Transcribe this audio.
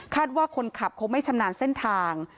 ว่าคนขับคงไม่ชำนาญเส้นทาง